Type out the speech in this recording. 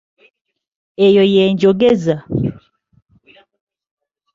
Eyo ye njogeza.